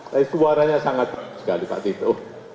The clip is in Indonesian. tapi suaranya sangat sekali pak tito